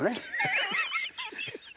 ハハハハハ！